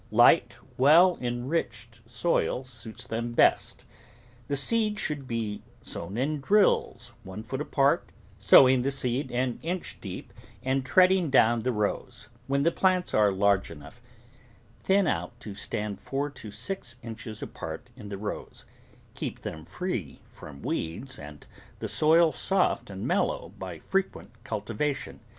Light, well enriched soil suits them best. The seed should be ROOT VEGETABLES sown in drills, one foot apart, sowing the seed an inch deep and treading down the rows. When the plants are large enough, thin out to stand four to six inches apart in the rows; keep them free from weeds and the soil soft and mellow by frequent cul tivation.